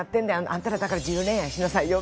あんたらだから自由恋愛しなさいよ！」